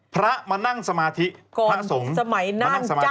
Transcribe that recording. พระมานั่งสมาธิพระสงฆ์สมัยนั่งสมาธิ